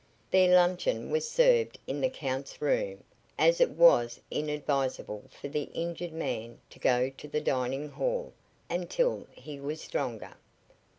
Their luncheon was served in the Count's room, as it was inadvisable for the injured man to go to the dining hall until he was stronger.